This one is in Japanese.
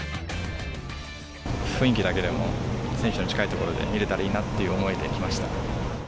雰囲気だけでも、選手の近い所で見れたらいいなっていう思いで来ました。